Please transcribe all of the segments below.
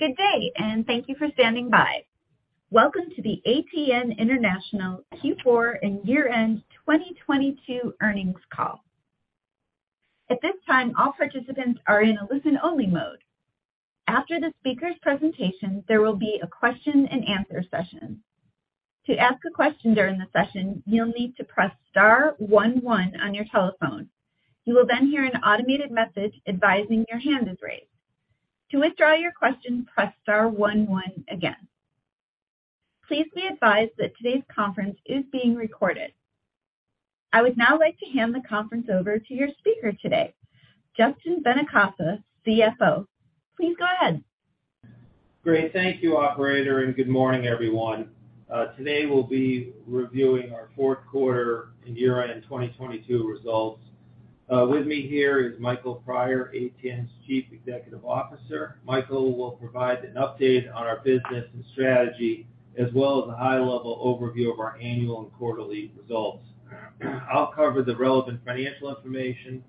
Good day. Thank you for standing by. Welcome to the ATN International Q4 and year-end 2022 earnings call. At this time, all participants are in a listen-only mode. After the speaker's presentation, there will be a question-and-answer session. To ask a question during the session, you'll need to press star one one on your telephone. You will then hear an automated message advising your hand is raised. To withdraw your question, press star one one again. Please be advised that today's conference is being recorded. I would now like to hand the conference over to your speaker today, Justin Benincasa, CFO. Please go ahead. Great. Thank you, operator, and good morning, everyone. Today, we'll be reviewing our fourth quarter and year-end 2022 results. With me here is Michael Prior, ATN's Chief Executive Officer. Michael will provide an update on our business and strategy, as well as a high-level overview of our annual and quarterly results. I'll cover the relevant financial information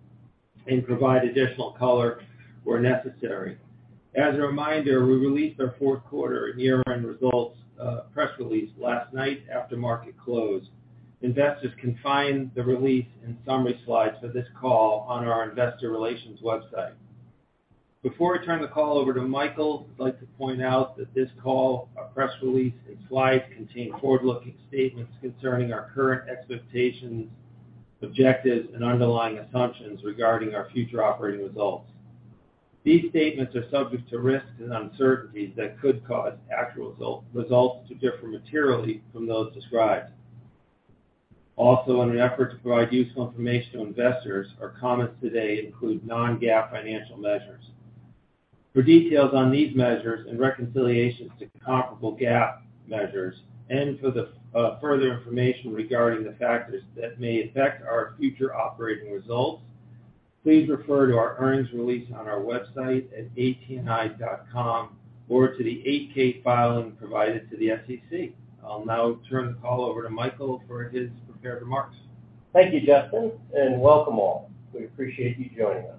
and provide additional color where necessary. As a reminder, we released our fourth quarter and year-end results, press release last night after market close. Investors can find the release and summary slides for this call on our investor relations website. Before I turn the call over to Michael, I'd like to point out that this call, our press release, and slides contain forward-looking statements concerning our current expectations, objectives, and underlying assumptions regarding our future operating results. These statements are subject to risks and uncertainties that could cause actual results to differ materially from those described. Also, in an effort to provide useful information to investors, our comments today include non-GAAP financial measures. For details on these measures and reconciliations to comparable GAAP measures and for the further information regarding the factors that may affect our future operating results, please refer to our earnings release on our website at atni.com or to the 8-K filing provided to the SEC. I'll now turn the call over to Michael for his prepared remarks. Thank you, Justin. Welcome all. We appreciate you joining us.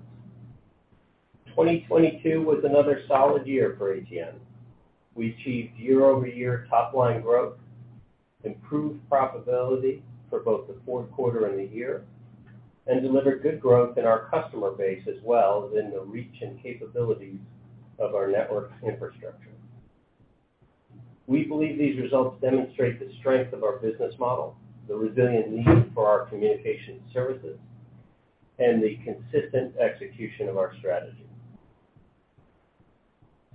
2022 was another solid year for ATN. We achieved year-over-year top-line growth, improved profitability for both the fourth quarter and the year, and delivered good growth in our customer base as well as in the reach and capabilities of our network infrastructure. We believe these results demonstrate the strength of our business model, the resilient need for our communication services, and the consistent execution of our strategy.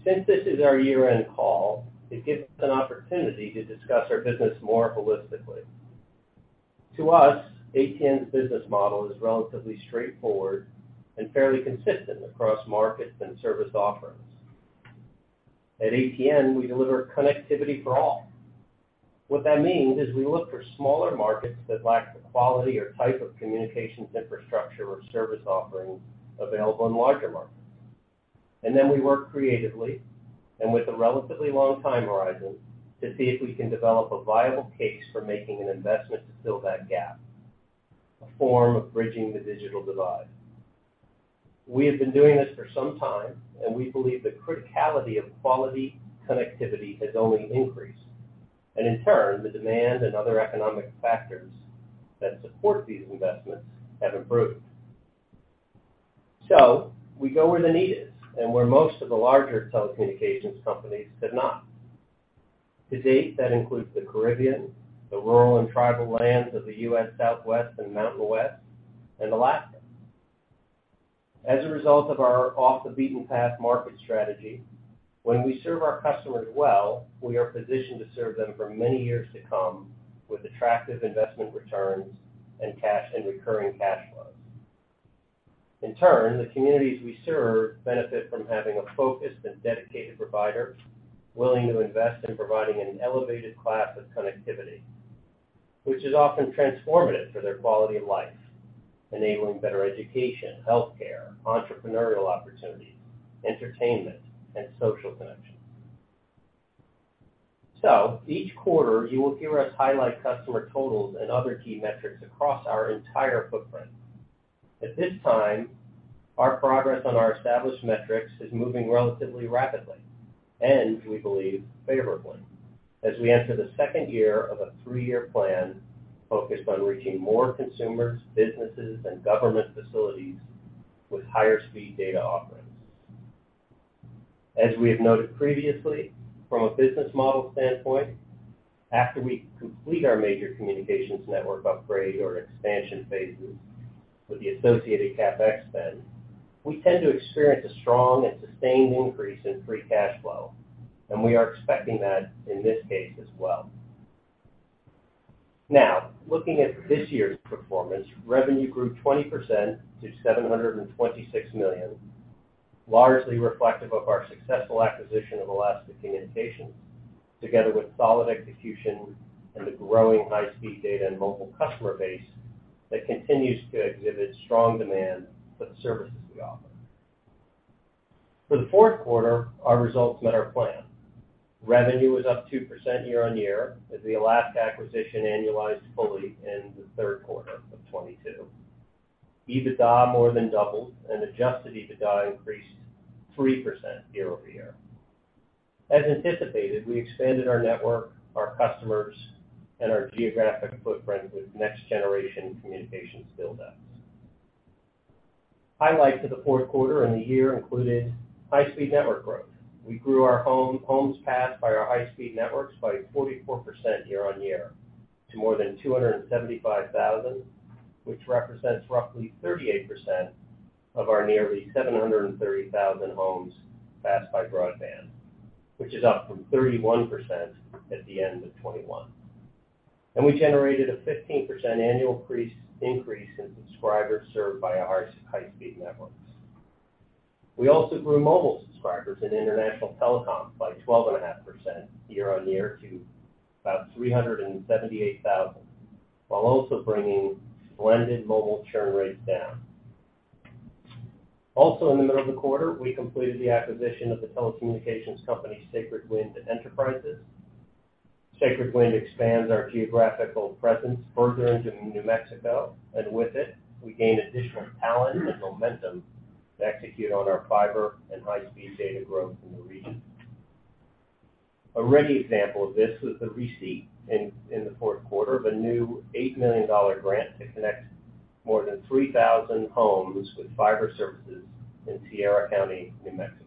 Since this is our year-end call, it gives us an opportunity to discuss our business more holistically. To us, ATN's business model is relatively straightforward and fairly consistent across markets and service offerings. At ATN, we deliver connectivity for all. What that means is we look for smaller markets that lack the quality or type of communications infrastructure or service offerings available in larger markets. We work creatively and with a relatively long time horizon to see if we can develop a viable case for making an investment to fill that gap, a form of bridging the digital divide. We have been doing this for some time, and we believe the criticality of quality connectivity has only increased. In turn, the demand and other economic factors that support these investments have improved. We go where the need is and where most of the larger telecommunications companies could not. To date, that includes the Caribbean, the rural and tribal lands of the U.S. Southwest and Mountain West, and Alaska. As a result of our off-the-beaten-path market strategy, when we serve our customers well, we are positioned to serve them for many years to come with attractive investment returns and cash and recurring cash flows. In turn, the communities we serve benefit from having a focused and dedicated provider willing to invest in providing an elevated class of connectivity, which is often transformative for their quality of life, enabling better education, health care, entrepreneurial opportunities, entertainment, and social connection. Each quarter, you will hear us highlight customer totals and other key metrics across our entire footprint. At this time, our progress on our established metrics is moving relatively rapidly and, we believe, favorably as we enter the second year of a 3 year plan focused on reaching more consumers, businesses, and government facilities with higher speed data offerings. As we have noted previously, from a business model standpoint, after we complete our major communications network upgrade or expansion phases with the associated CapEx spend, we tend to experience a strong and sustained increase in free cash flow, we are expecting that in this case as well. Now, looking at this year's performance, revenue grew 20% to $726 million, largely reflective of our successful acquisition of Alaska Communications, together with solid execution and the growing high-speed data and mobile customer base that continues to exhibit strong demand for the services we offer. For the fourth quarter, our results met our plan. Revenue was up 2% year-over-year as the Alaska acquisition annualized fully in the third quarter of 2022. EBITDA more than doubled and adjusted EBITDA increased 3% year-over-year. As anticipated, we expanded our network, our customers, and our geographic footprint with next generation communications build ups. Highlights of the fourth quarter and the year included high-speed network growth. We grew our homes passed by our high-speed networks by 44% year-on-year to more than 275,000, which represents roughly 38% of our nearly 730,000 homes passed by broadband, which is up from 31% at the end of 2021. We generated a 15% annual increase in subscribers served by our high-speed networks. We also grew mobile subscribers in international telecoms by 12.5% year-on-year to about 378,000, while also bringing blended mobile churn rates down. Also in the middle of the quarter, we completed the acquisition of the telecommunications company, Sacred Wind Enterprises. Sacred Wind expands our geographical presence further into New Mexico, and with it, we gain additional talent and momentum to execute on our fiber and high-speed data growth in the region. A ready example of this was the receipt in the fourth quarter of a new $8 million grant to connect more than 3,000 homes with fiber services in Sierra County, New Mexico.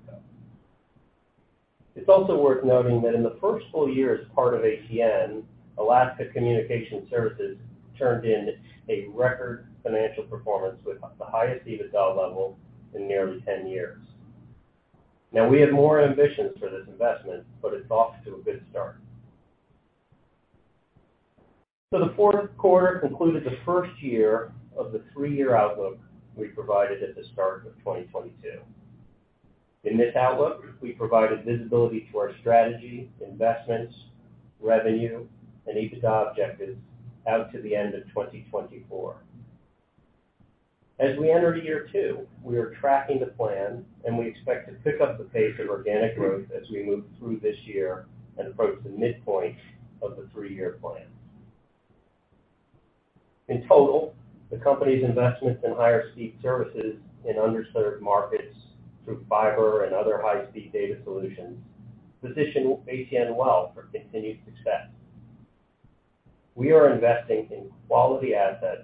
It's also worth noting that in the first full year as part of ATN, Alaska Communication Services turned in a record financial performance with the highest EBITDA level in nearly 10 years. We have more ambitions for this investment, but it's off to a good start. The fourth quarter concluded the first year of the 3-year outlook we provided at the start of 2022. In this outlook, we provided visibility to our strategy, investments, revenue, and EBITDA objectives out to the end of 2024. As we enter year 2, we are tracking the plan, we expect to pick up the pace of organic growth as we move through this year and approach the midpoint of the three-year plan. In total, the company's investments in higher speed services in underserved markets through fiber and other high-speed data solutions position ATN well for continued success. We are investing in quality assets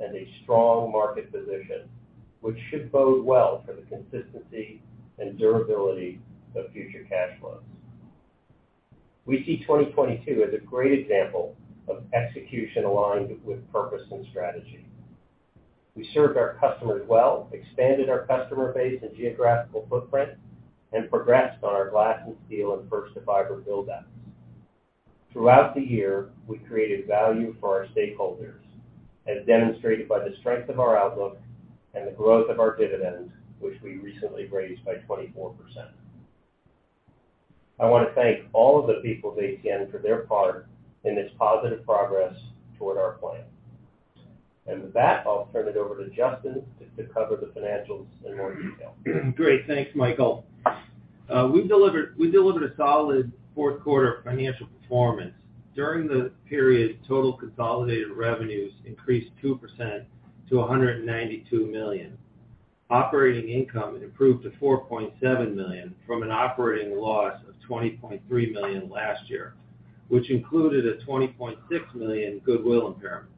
and a strong market position, which should bode well for the consistency and durability of future cash flows. We see 2022 as a great example of execution aligned with purpose and strategy. We served our customers well, expanded our customer base and geographical footprint, progressed on our Glass & Steel and first to fiber build outs. Throughout the year, we created value for our stakeholders, as demonstrated by the strength of our outlook and the growth of our dividend, which we recently raised by 24%. I want to thank all of the people at ATN for their part in this positive progress toward our plan. With that, I'll turn it over to Justin to cover the financials in more detail. Great. Thanks, Michael Prior. We delivered a solid fourth quarter financial performance. During the period, total consolidated revenues increased 2% to $192 million. Operating income improved to $4.7 million from an operating loss of $20 million last year, which included a $20 million goodwill impairment.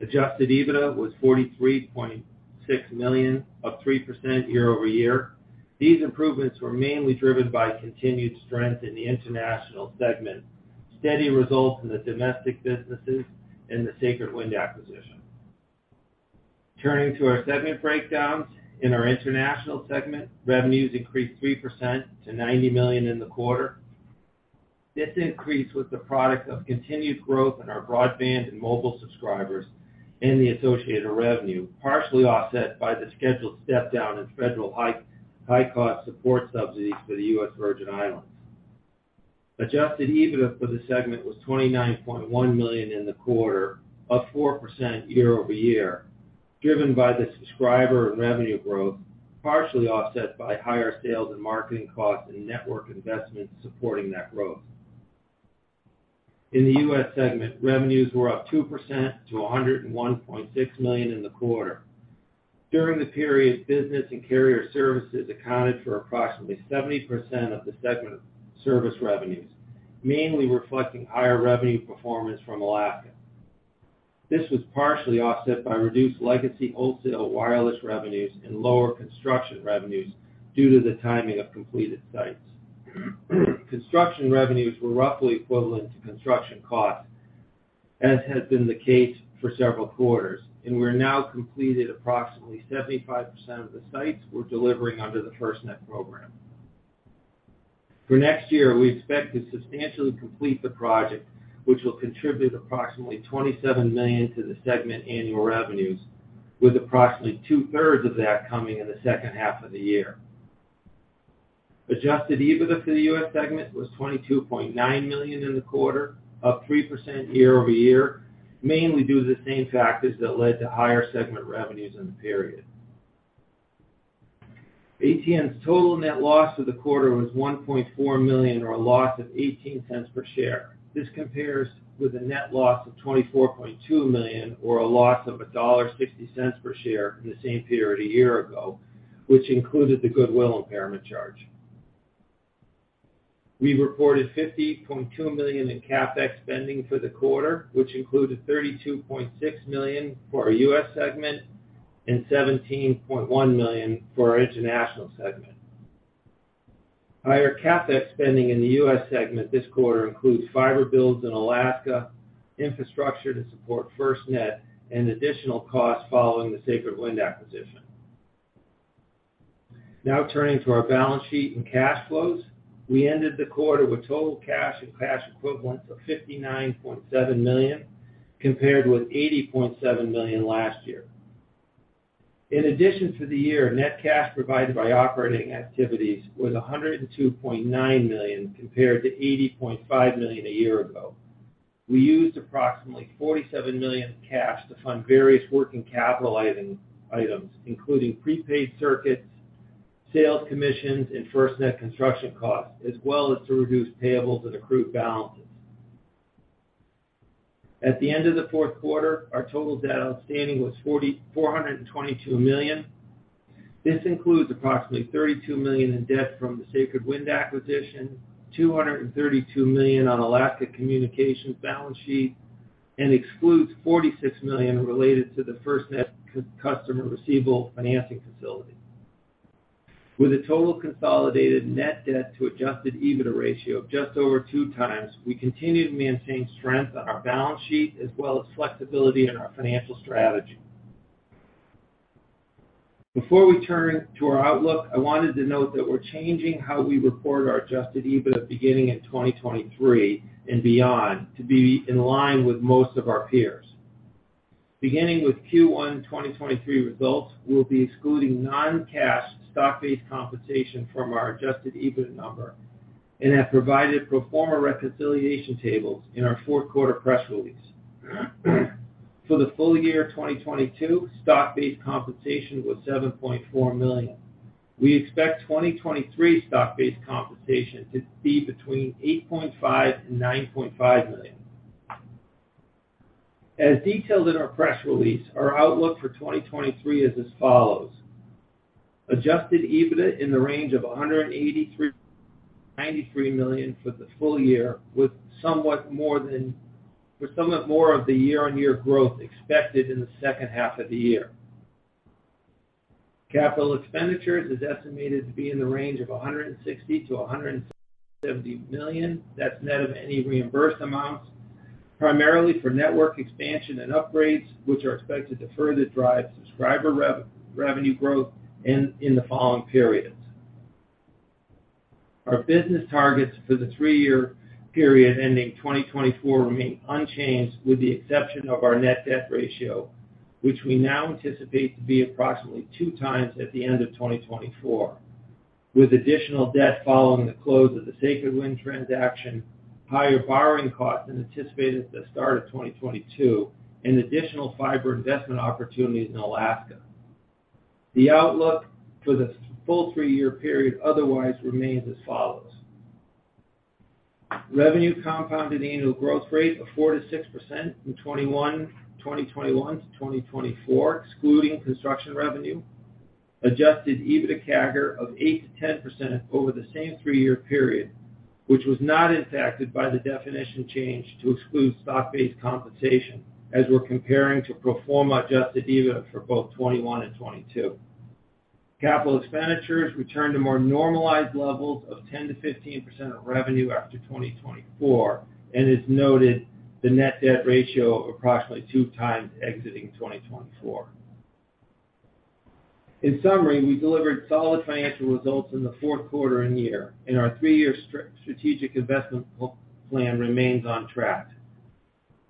Adjusted EBITDA was $43.6 million, up 3% year-over-year. These improvements were mainly driven by continued strength in the international segment, steady results in the domestic businesses, and the Sacred Wind acquisition. Turning to our segment breakdowns, in our international segment, revenues increased 3% to $90 million in the quarter. This increase was the product of continued growth in our broadband and mobile subscribers and the associated revenue, partially offset by the scheduled step down in federal high-cost support subsidies for the US Virgin Islands. Adjusted EBITDA for the segment was $29.1 million in the quarter, up 4% year-over-year, driven by the subscriber and revenue growth, partially offset by higher sales and marketing costs and network investments supporting that growth. In the U.S. segment, revenues were up 2% to $101.6 million in the quarter. During the period, business and carrier services accounted for approximately 70% of the segment service revenues, mainly reflecting higher revenue performance from Alaska. This was partially offset by reduced legacy wholesale wireless revenues and lower construction revenues due to the timing of completed sites. Construction revenues were roughly equivalent to construction costs, as has been the case for several quarters, and we're now completed approximately 75% of the sites we're delivering under the FirstNet program. For next year, we expect to substantially complete the project, which will contribute approximately $27 million to the segment annual revenues, with approximately 2/3 of that coming in the second half of the year. Adjusted EBITDA for the US segment was $22.9 million in the quarter, up 3% year-over-year, mainly due to the same factors that led to higher segment revenues in the period. ATN's total net loss for the quarter was $1.4 million, or a loss of $0.18 per share. This compares with a net loss of $24.2 million or a loss of $1.60 per share in the same period a year ago, which included the goodwill impairment charge. We reported $50.2 million in CapEx spending for the quarter, which included $32.6 million for our US segment and $17.1 million for our international segment. Higher CapEx spending in the US segment this quarter includes fiber builds in Alaska, infrastructure to support FirstNet, and additional costs following the Sacred Wind acquisition. Now turning to our balance sheet and cash flows. We ended the quarter with total cash and cash equivalents of $59.7 million, compared with $80.7 million last year. In addition to the year, net cash provided by operating activities was $102.9 million, compared to $80.5 million a year ago. We used approximately $47 million in cash to fund various working capitalizing items, including prepaid circuits, sales commissions, and FirstNet construction costs, as well as to reduce payables and accrued balances. At the end of the fourth quarter, our total debt outstanding was $422 million. This includes approximately $32 million in debt from the Sacred Wind acquisition, $232 million on Alaska Communications balance sheet, and excludes $46 million related to the FirstNet customer receivable financing facility. With a total consolidated net debt to adjusted EBITDA ratio of just over 2 times, we continue to maintain strength on our balance sheet as well as flexibility in our financial strategy. Before we turn to our outlook, I wanted to note that we're changing how we report our adjusted EBITDA beginning in 2023 and beyond to be in line with most of our peers. Beginning with Q1 2023 results, we'll be excluding non-cash stock-based compensation from our adjusted EBITDA number and have provided pro forma reconciliation tables in our fourth quarter press release. For the full year of 2022, stock-based compensation was $7.4 million. We expect 2023 stock-based compensation to be between $8.5 million and $9.5 million. As detailed in our press release, our outlook for 2023 is as follows: Adjusted EBITDA in the range of $183 million-$193 million for the full year, with somewhat more of the year-on-year growth expected in the second half of the year. Capital expenditures is estimated to be in the range of $160 million-$170 million, that's net of any reimbursed amounts, primarily for network expansion and upgrades, which are expected to further drive subscriber revenue growth in the following periods. Our business targets for the three-year period ending 2024 remain unchanged, with the exception of our net debt ratio, which we now anticipate to be approximately 2 times at the end of 2024, with additional debt following the close of the Sacred Wind transaction, higher borrowing costs than anticipated at the start of 2022, and additional fiber investment opportunities in Alaska. The outlook for the full three-year period otherwise remains as follows: Revenue compounded annual growth rate of 4%-6% from 2021 to 2024, excluding construction revenue. Adjusted EBITDA CAGR of 8%-10% over the same three-year period, which was not impacted by the definition change to exclude stock-based compensation, as we're comparing to pro forma adjusted EBITDA for both 2021 and 2022. Capital expenditures return to more normalized levels of 10%-15% of revenue after 2024 is noted the net debt ratio of approximately 2x exiting 2024. In summary, we delivered solid financial results in the fourth quarter and year. Our 3 year strategic investment plan remains on track.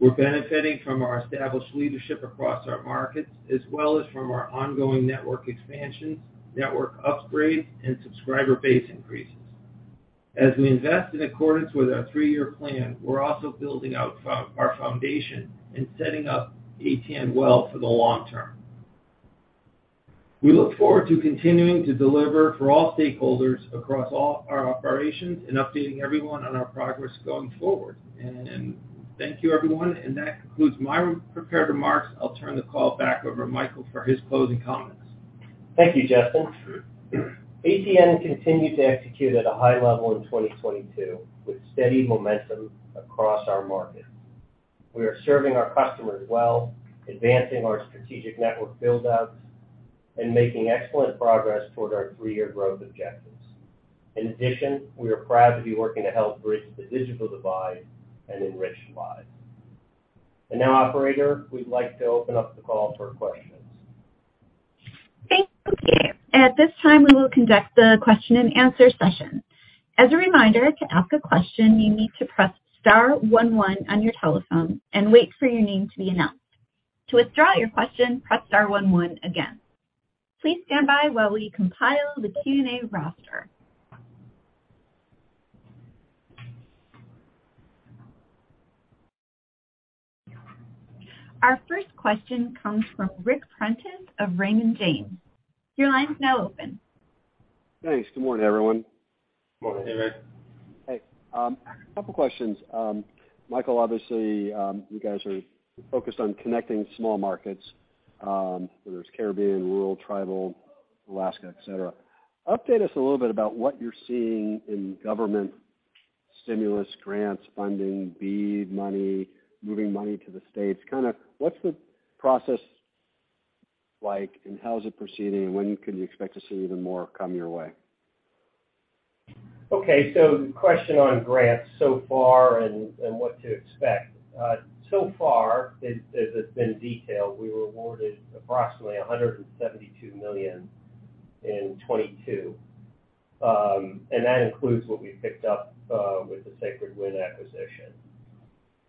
We're benefiting from our established leadership across our markets as well as from our ongoing network expansions, network upgrades, and subscriber base increases. As we invest in accordance with our three-year plan, we're also building out our foundation and setting up ATN well for the long term. We look forward to continuing to deliver for all stakeholders across all our operations and updating everyone on our progress going forward. Thank you, everyone. That concludes my prepared remarks. I'll turn the call back over to Michael for his closing comments. Thank you, Justin. ATN continued to execute at a high level in 2022 with steady momentum across our markets. We are serving our customers well, advancing our strategic network build-outs, and making excellent progress toward our three-year growth objectives. In addition, we are proud to be working to help bridge the digital divide and enrich lives. Now, operator, we'd like to open up the call for questions. Thank you. At this time, we will conduct the question-and-answer session. As a reminder, to ask a question, you need to press star one one on your telephone and wait for your name to be announced. To withdraw your question, press star one one again. Please stand by while we compile the Q&A roster. Our first question comes from Ric Prentiss of Raymond James. Your line is now open. Thanks. Good morning, everyone. Morning. Hey, Ric. Hey. Couple questions. Michael, obviously, you guys are focused on connecting small markets, whether it's Caribbean, rural, tribal, Alaska, et cetera. Update us a little bit about what you're seeing in government stimulus, grants, funding, BEAD money, moving money to the States. Kinda what's the process like, and how is it proceeding, and when can you expect to see even more come your way? The question on grants so far and what to expect. So far, as has been detailed, we were awarded approximately $172 million in 2022. That includes what we picked up with the Sacred Wind acquisition.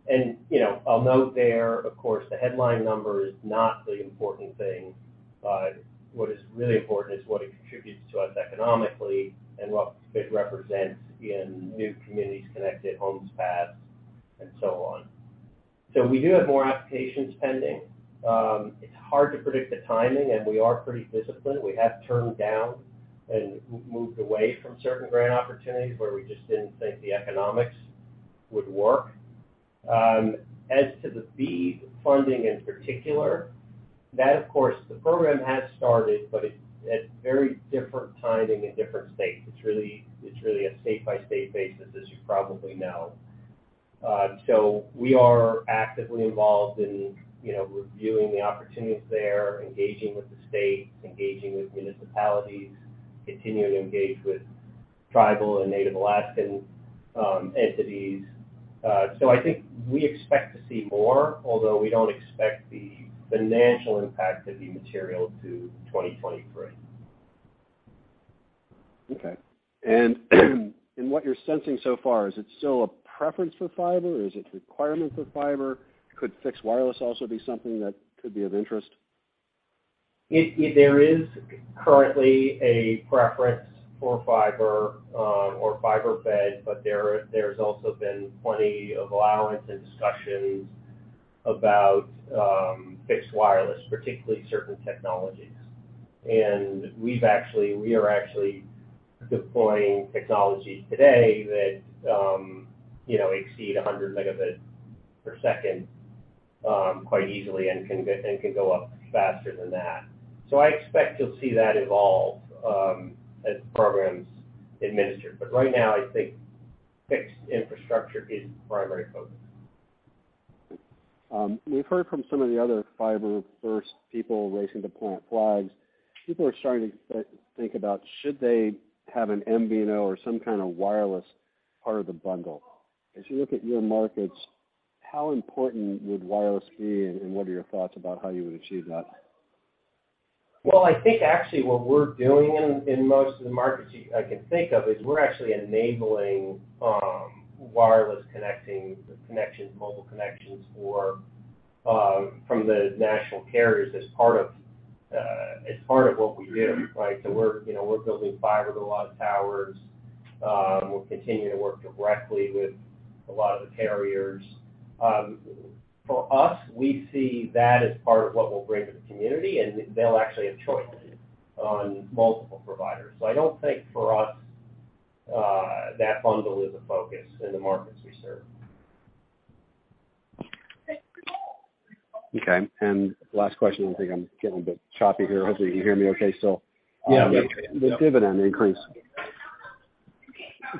You know, I'll note there, of course, the headline number is not the important thing. What is really important is what it contributes to us economically and what it represents in new communities connected, homes passed, and so on. We do have more applications pending. It's hard to predict the timing, and we are pretty disciplined. We have turned down and moved away from certain grant opportunities where we just didn't think the economics would work. As to the BEAD funding in particular, that of course, the program has started, but it's at very different timing in different states. It's really a state-by-state basis, as you probably know. We are actively involved in, you know, reviewing the opportunities there, engaging with the states, engaging with municipalities, continuing to engage with tribal and Alaska Native entities. I think we expect to see more, although we don't expect the financial impact to be material to 2023. Okay. What you're sensing so far, is it still a preference for fiber? Is it requirement for fiber? Could fixed wireless also be something that could be of interest? There is currently a preference for fiber, or fiber bed, but there's also been plenty of allowance and discussions about fixed wireless, particularly certain technologies. We are actually deploying technologies today that, you know, exceed 100 Mb per second, quite easily and can go up faster than that. I expect you'll see that evolve as the program's administered. Right now, I think fixed infrastructure is the primary focus. We've heard from some of the other fiber first people racing to plant flags. People are starting to think about should they have an MVNO or some kind of wireless part of the bundle. As you look at your markets, how important would wireless be, and what are your thoughts about how you would achieve that? Well, I think actually what we're doing in most of the markets I can think of is we're actually enabling wireless connections, mobile connections for from the national carriers as part of what we do, right. We're, you know, we're building fiber with a lot of towers. We're continuing to work directly with a lot of the carriers. For us, we see that as part of what we'll bring to the community, and they'll actually have choice on multiple providers. I don't think for us, that bundle is a focus in the markets we serve. Okay. Last question. I think I'm getting a bit choppy here. Hopefully, you can hear me okay still. Yeah. The dividend increase.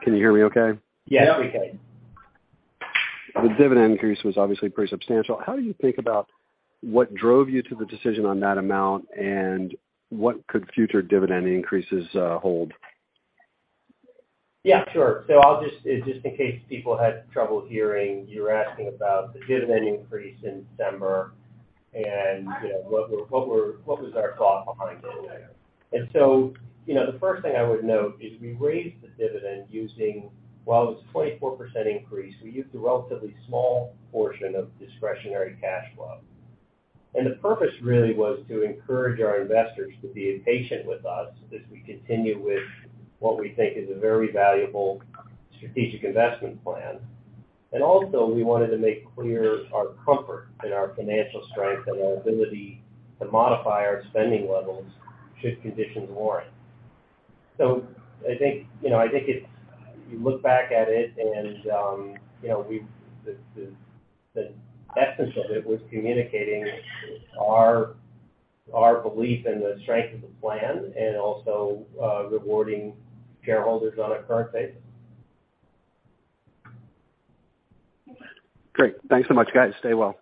Can you hear me okay? Yes, we can. The dividend increase was obviously pretty substantial. How do you think about what drove you to the decision on that amount, and what could future dividend increases, hold? Yeah, sure. Just in case people had trouble hearing, you were asking about the dividend increase in December and, you know, what were, what was our thought behind it. You know, the first thing I would note is we raised the dividend using... While it was a 24% increase, we used a relatively small portion of discretionary cash flow. The purpose really was to encourage our investors to be patient with us as we continue with what we think is a very valuable strategic investment plan. Also, we wanted to make clear our comfort in our financial strength and our ability to modify our spending levels should conditions warrant. I think, you know, I think it's, you look back at it and, you know, the essence of it was communicating our belief in the strength of the plan and also, rewarding shareholders on a current basis. Great. Thanks so much, guys. Stay well.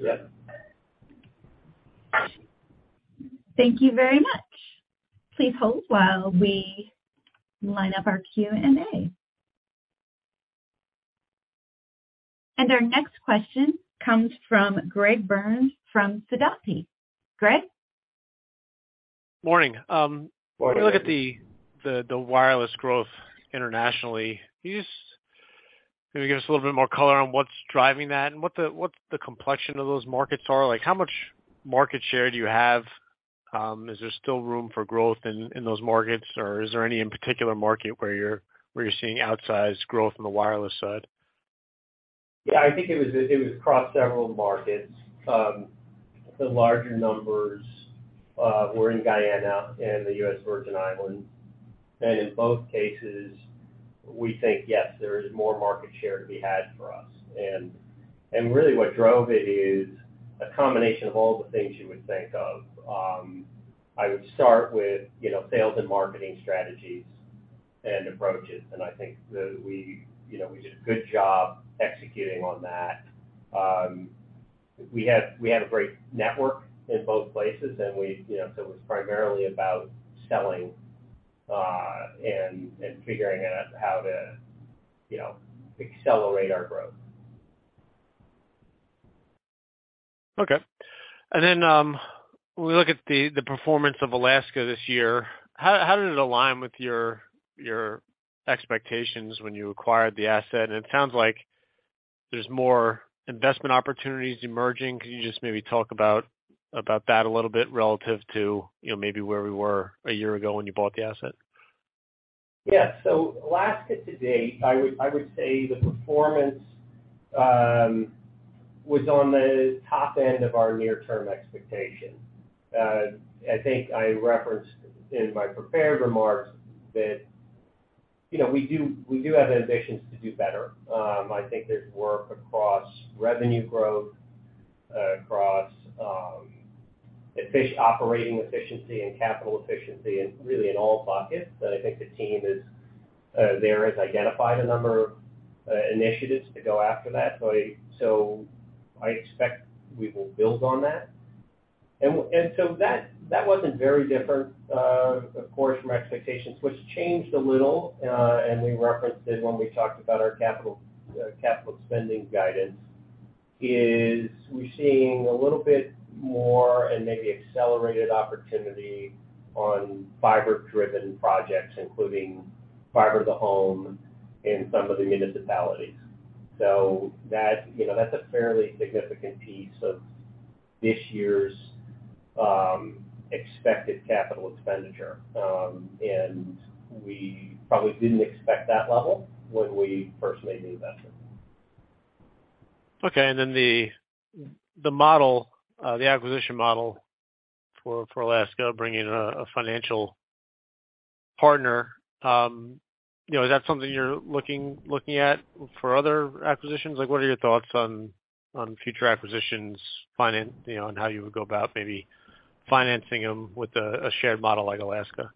Yeah. Thank you very much. Please hold while we line up our Q&A. Our next question comes from Greg Burns from Sidoti. Greg? Morning. Morning. When you look at the wireless growth internationally, can you just maybe give us a little bit more color on what's driving that and what the complexion of those markets are? Like, how much market share do you have? Is there still room for growth in those markets or is there any in particular market where you're seeing outsized growth on the wireless side? Yeah, I think it was across several markets. The larger numbers were in Guyana and the US Virgin Islands. In both cases, we think, yes, there is more market share to be had for us. Really what drove it is a combination of all the things you would think of. I would start with, you know, sales and marketing strategies and approaches, and I think that we, you know, we did a good job executing on that. We had a great network in both places, and we, you know, so it was primarily about selling, and figuring out how to, you know, accelerate our growth. Okay. When we look at the performance of Alaska this year, how did it align with your expectations when you acquired the asset? It sounds like there's more investment opportunities emerging. Can you just maybe talk about that a little bit relative to, you know, maybe where we were a year ago when you bought the asset? Alaska to date, I would say the performance was on the top end of our near-term expectations. I think I referenced in my prepared remarks that, you know, we do have ambitions to do better. I think there's work across revenue growth, across operating efficiency and capital efficiency and really in all pockets. I think the team is there has identified a number of initiatives to go after that. I expect we will build on that. That wasn't very different, of course, from our expectations, which changed a little, and we referenced it when we talked about our capital spending guidance, is we're seeing a little bit more and maybe accelerated opportunity on fiber-driven projects, including fiber to home in some of the municipalities. That, you know, that's a fairly significant piece of this year's expected CapEx. We probably didn't expect that level when we first made the investment. Okay. The model, the acquisition model for Alaska, bringing a financial partner, you know, is that something you're looking at for other acquisitions? Like, what are your thoughts on future acquisitions, you know, and how you would go about maybe financing them with a shared model like Alaska?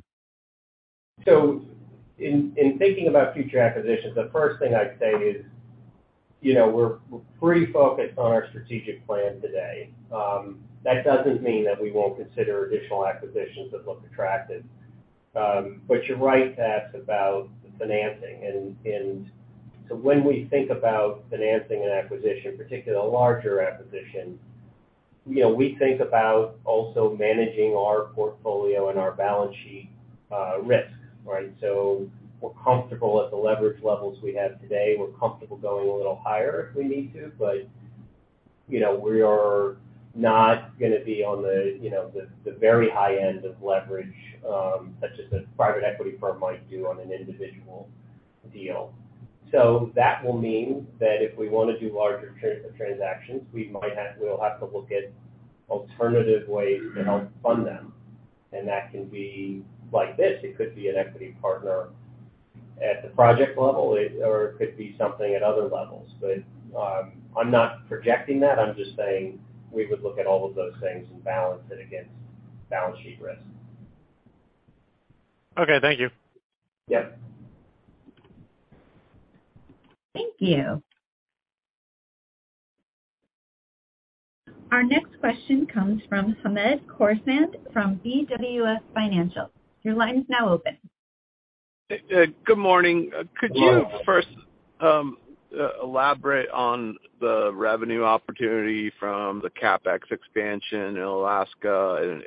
In thinking about future acquisitions, the first thing I'd say is, you know, we're pretty focused on our strategic plan today. That doesn't mean that we won't consider additional acquisitions that look attractive. You're right, Pat, about the financing. When we think about financing an acquisition, particularly a larger acquisition, you know, we think about also managing our portfolio and our balance sheet, risk, right? We're comfortable at the leverage levels we have today. We're comfortable going a little higher if we need to, but, you know, we are not gonna be on the, you know, the very high end of leverage, such as a private equity firm might do on an individual deal. That will mean that if we wanna do larger transactions, we'll have to look at alternative ways to help fund them. That can be like this. It could be an equity partner at the project level or it could be something at other levels. I'm not projecting that, I'm just saying we would look at all of those things and balance it against balance sheet risk. Okay, thank you. Yeah. Thank you. Our next question comes from Hamed Khorsand, from BWS Financial. Your line is now open. Hey, good morning. Hello. Could you first elaborate on the revenue opportunity from the CapEx expansion in Alaska?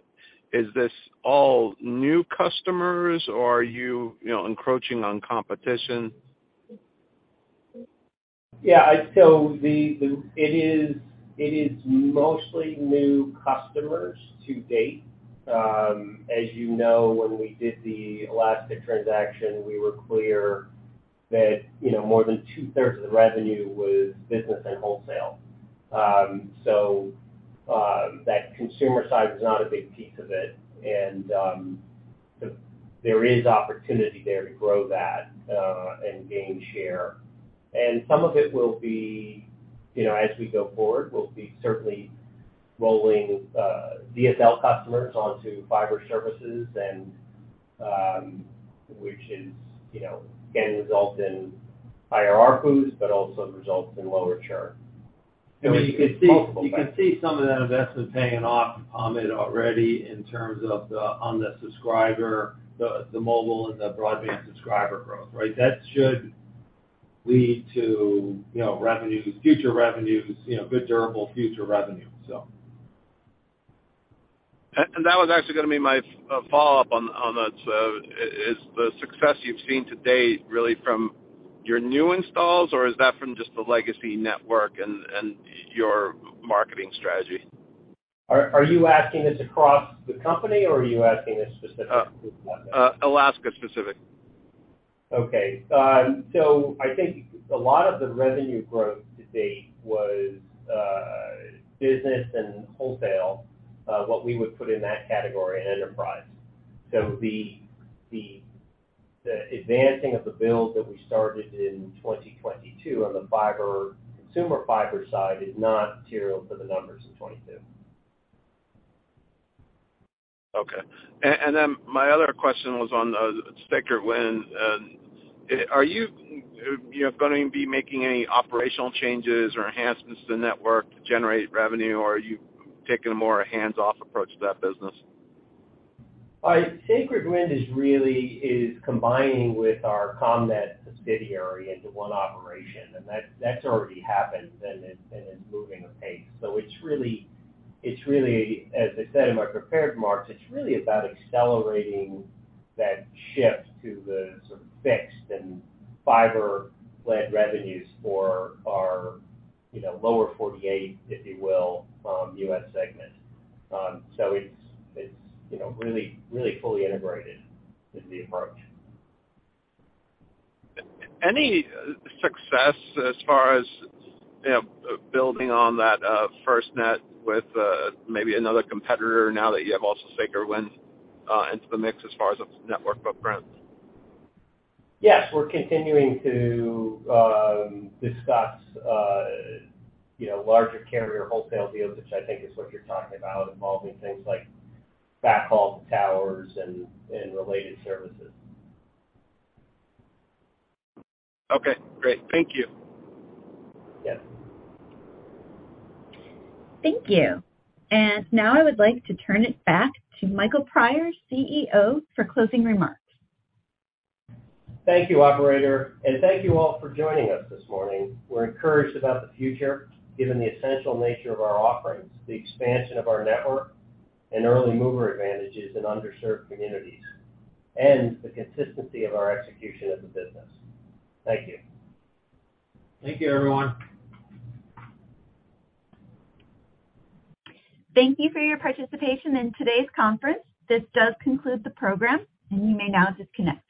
Is this all new customers or are you know, encroaching on competition? Yeah. It is mostly new customers to date. As you know, when we did the Alaska transaction, we were clear that, you know, more than 2/3 of the revenue was business and wholesale. That consumer side was not a big piece of it. There is opportunity there to grow that and gain share. Some of it will be, you know, as we go forward, we'll be certainly rolling DSL customers onto fiber services and, which is, you know, can result in higher ARPU, but also results in lower churn. I mean, it's multiple factors. You can see some of that investment paying off, Hamed, already in terms of on the subscriber, the mobile and the broadband subscriber growth, right? That should lead to, you know, revenues, future revenues, you know, good durable future revenue, so. That was actually gonna be my follow-up on that. Is the success you've seen to date really from your new installs, or is that from just the legacy network and your marketing strategy? Are you asking this across the company or are you asking this specifically to Alaska? Alaska specific. Okay. I think a lot of the revenue growth to date was business and wholesale, what we would put in that category in enterprise. The advancing of the bills that we started in 2022 on the fiber, consumer fiber side is not material to the numbers in 22. Okay. My other question was on Sacred Wind. Are you know, gonna be making any operational changes or enhancements to the network to generate revenue, or are you taking a more hands-off approach to that business? Sacred Wind is really combining with our Commnet subsidiary into one operation, and that's already happened and it's moving apace. It's really, as I said in my prepared remarks, it's really about accelerating that shift to the sort of fixed and fiber-led revenues for our, you know, lower 48, if you will, U.S. segment. It's, you know, really fully integrated in the approach. Any success as far as, you know, building on that FirstNet with maybe another competitor now that you have also Sacred Wind into the mix as far as a network footprint? Yes, we're continuing to discuss, you know, larger carrier wholesale deals, which I think is what you're talking about, involving things like backhaul to towers and related services. Okay, great. Thank you. Yes. Thank you. Now I would like to turn it back to Michael Prior, CEO, for closing remarks. Thank you, Operator, and thank you all for joining us this morning. We're encouraged about the future, given the essential nature of our offerings, the expansion of our network, and early mover advantages in underserved communities, and the consistency of our execution of the business. Thank you. Thank you, everyone. Thank you for your participation in today's conference. This does conclude the program, and you may now disconnect.